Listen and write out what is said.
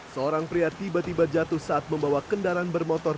seorang pria tiba tiba jatuh saat membawa kendaraan bermotor